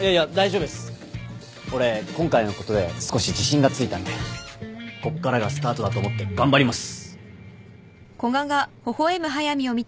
俺今回のことで少し自信がついたんでこっからがスタートだと思って頑張ります。